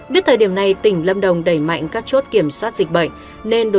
biết thời điểm này tỉnh lâm đồng đẩy mạnh các chốt kiểm soát dịch bệnh